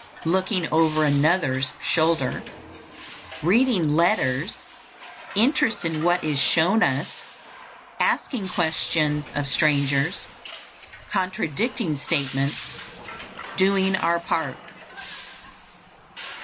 _ Looking over another's shoulder. Reading letters. Interest in what is shown us. Asking questions of strangers. Contradicting statements. _Doing our part.